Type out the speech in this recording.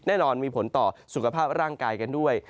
แน่นอนมีผลต่อสุขภาพร่างกายกันด้วย